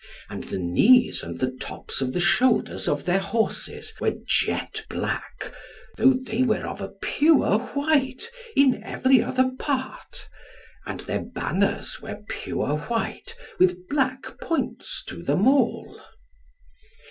And the knees and the tops of the shoulders of their horses were jet black, though they were of a pure white in every other part. And their banners were pure white, with black points to them all.